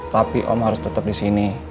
tapi om harus tetap di sini